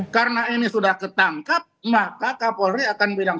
karena ini sudah ketangkap maka kapolri akan bilang